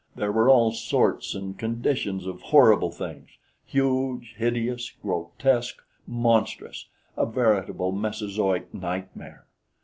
There were all sorts and conditions of horrible things huge, hideous, grotesque, monstrous a veritable Mesozoic nightmare.